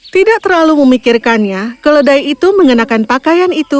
tidak terlalu memikirkannya keledai itu mengenakan pakaian itu